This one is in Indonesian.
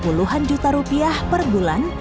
puluhan juta rupiah per bulan